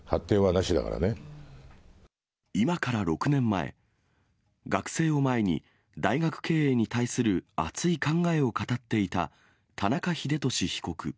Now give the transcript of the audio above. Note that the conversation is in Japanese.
今から６年前、学生を前に、大学経営に対する熱い考えを語っていた、田中英壽被告。